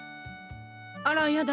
あらやだ